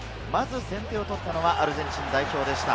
先手を取ったのはアルゼンチン代表でした。